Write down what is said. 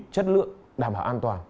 chất lượng đảm hảo an toàn